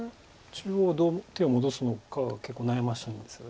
中央どう手を戻すのかが結構悩ましいんですよね。